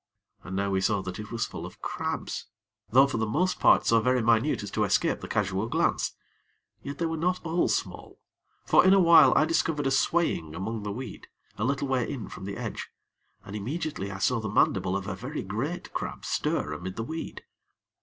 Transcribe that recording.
And now we saw that it was full of crabs; though for the most part so very minute as to escape the casual glance; yet they were not all small, for in a while I discovered a swaying among the weed, a little way in from the edge, and immediately I saw the mandible of a very great crab stir amid the weed.